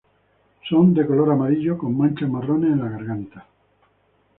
Son de color amarillo con manchas marrones en la garganta.